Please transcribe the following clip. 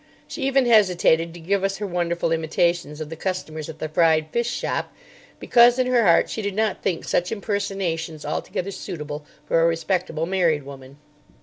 She even hesitated to give us her wonderful imitations of the customers at the fried fish shop, because in her heart she did not think such impersonations altogether suitable for a respectable married woman.